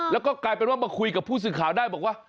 แล้วก็กลายเป็นว่ามาคุยกับผู้สื่อข่าวได้บอกว่า